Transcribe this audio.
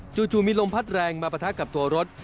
จู่มีลมพัดแรงมาปะทะกับตัวรถ